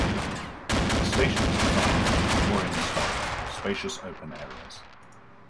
The station is designed in a Victorian style, with spacious open areas.